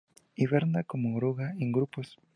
Hiberna como oruga, en grupos.